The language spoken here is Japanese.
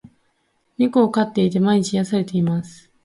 猫を飼っていて、毎日癒されています。